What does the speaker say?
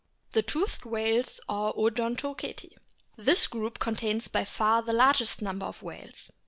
THE TOOTHED WHALES OR ODONTOCETI THIS group contains by far the larger number of whales.